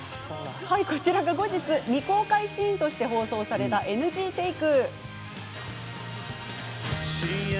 こちらが後日未公開シーンとして放送されたＮＧテイク。